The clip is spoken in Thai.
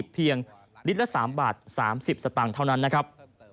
เพียง๓๓๐บาทเท่านั้นนะครับ